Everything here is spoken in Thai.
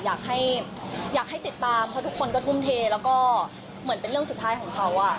อยากให้อยากให้ติดตามเพราะทุกคนก็ทุ่มเทแล้วก็เหมือนเป็นเรื่องสุดท้ายของเขา